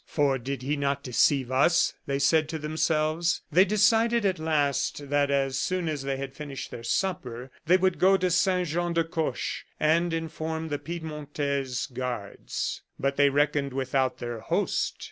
"For did he not deceive us?" they said to themselves. They decided, at last, that as soon as they had finished their supper, they would go to Saint Jean de Coche and inform the Piedmontese guards. But they reckoned without their host.